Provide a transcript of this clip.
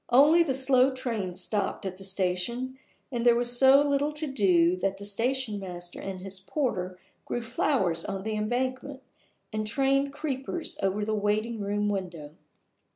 Only the slow trains stopped at the station and there was so little to do that the station master and his porter grew flowers on the embankment, and trained creepers over the waiting room window.